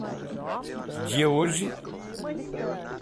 Centralismo democrático, burocracia, burocrático, burocrática